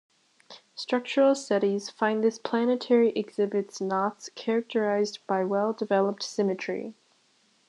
Structural studies find this planetary exhibits knots characterized by well developed symmetry.